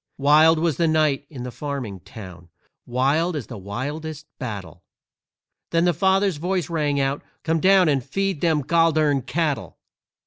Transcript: Wild was the night in the farming town, Wild as the wildest battle, Then the father's voice rang out, "Come down And feed them gol dern cattle!"